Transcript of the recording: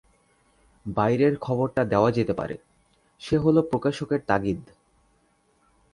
বাইরের খবরটা দেওয়া যেতে পারে, সে হল প্রকাশকের তাগিদ।